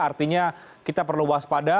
artinya kita perlu waspada